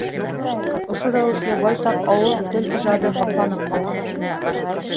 Ошо рәүешле байтаҡ ауыҙ-тел ижады һаҡланып ҡалған.